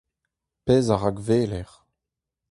Pezh a rakweler.